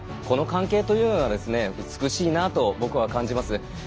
この関係というのが美しいなと僕は感じます。